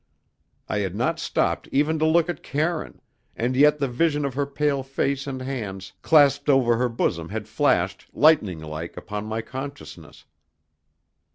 I had not stopped even to look at Karine, and yet the vision of her pale face and hands clasped over her bosom had flashed, lightning like, upon my consciousness.